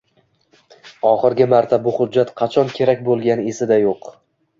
Oxirgi marta bu hujjat qachon kerak bo`lgani esida yo`q